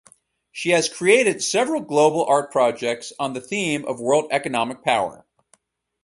She has created several global art projects on the theme of world economic power.